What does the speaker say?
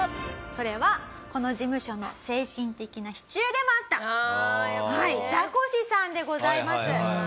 それはこの事務所の精神的な支柱でもあったザコシさんでございます。